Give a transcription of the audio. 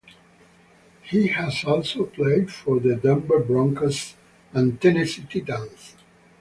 He has also played for the Denver Broncos and Tennessee Titans.